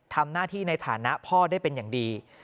ทำหน้าที่ในฐานะพ่อได้เป็นอย่างดี